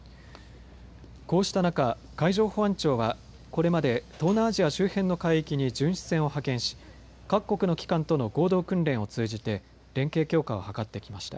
こうした中、海上保安庁はこれまで東南アジア周辺の海域に巡視船を派遣し各国の機関との合同訓練を通じて連携強化を図ってきました。